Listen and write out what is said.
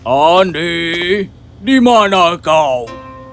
andi dimana kau